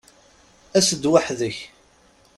As-d weḥd-k!